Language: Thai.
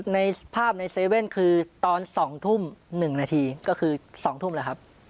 ในภาพในเซเว่นคือตอน๒ทุ่ม๑นาทีก็คือ๒ทุ่มแล้วครับ